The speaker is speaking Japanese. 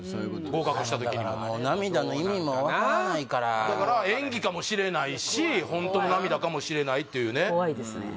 合格した時にもだから涙の意味も分からないからだから演技かもしれないしホントの涙かもしれないというね怖いですね